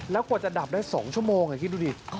แล้วกว่าจะดับได้๒ชั่วโมงคิดดูดิ